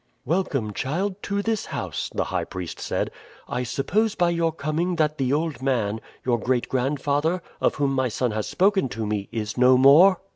"Welcome, child, to this house," the high priest said. "I suppose by your coming that the old man, your great grandfather, of whom my son has spoken to me, is no more?"